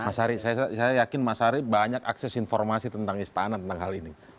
mas ari saya yakin mas ari banyak akses informasi tentang istana tentang hal ini